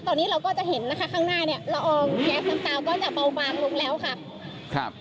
ตอนนี้เราก็จะเห็นนะคะข้างหน้าเนี่ยละอองแก๊สน้ำตาก็จะเบาบางลงแล้วค่ะครับ